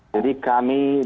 jadi kami di